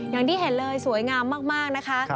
อย่างที่เห็นเลยสวยงามมากนะคะ